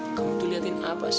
eh kamu tuh liatin apa sih